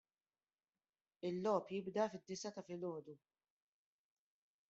Il-logħob jibda fid-disgħa ta' filgħodu.